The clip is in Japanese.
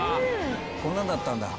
「こんなんだったんだ」